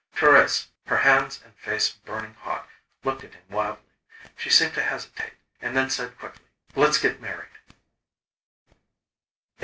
Thérèse, her hands and face burning hot, looked at him wildly. She seemed to hesitate, and then said quickly: "Let's get married."